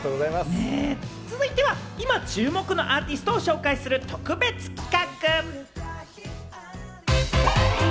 続いては、今注目のアーティストを紹介する特別企画。